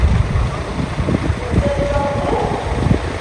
Nettat d tameṭṭut?